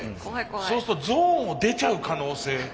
そうするとゾーンを出ちゃう可能性。